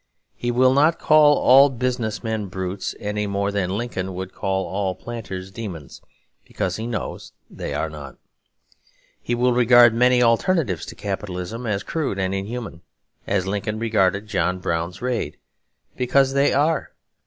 He will not call all business men brutes, any more than Lincoln would call all planters demons; because he knows they are not. He will regard many alternatives to capitalism as crude and inhuman, as Lincoln regarded John Brown's raid; because they are.